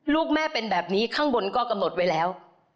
ลูกแม่เป็นแบบนี้ข้างบนก็กำหนดไว้แล้ว